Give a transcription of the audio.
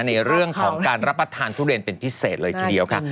ในเรื่องของการรับประทานทุเรียนเป็นพิเศษเลยทีเดียวค่ะ